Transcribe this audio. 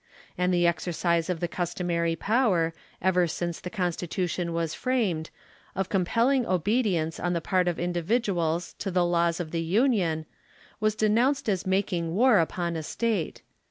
And the exercise of the customary power, ever since the Constitu tion was framed, of compelling obedience on the part of individuals to tlie laws of the Union, was denounced as making war upon a State.